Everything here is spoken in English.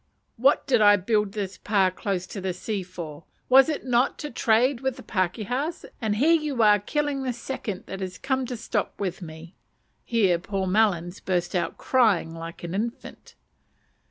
What did I build this pa close to the sea for? was it not to trade with the pakehas? and here you are killing the second that has come to stop with me! (Here poor Melons burst out crying like an infant.)